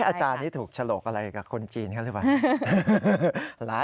อาจารย์นี้ถูกฉลกอะไรกับคนจีนเขาหรือเปล่า